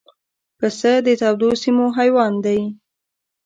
پسه د تودو سیمو حیوان دی.